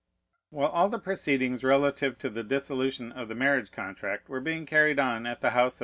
While all the proceedings relative to the dissolution of the marriage contract were being carried on at the house of M.